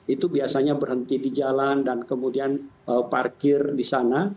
itu biasanya berhenti di jalan dan kemudian parkir di sana